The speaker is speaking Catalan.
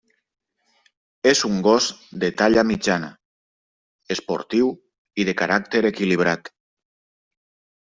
És un gos de talla mitjana, esportiu i de caràcter equilibrat.